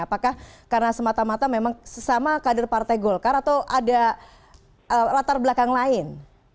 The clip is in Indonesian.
apakah karena semata mata memang sesama kader partai golkar atau ada latar belakang lain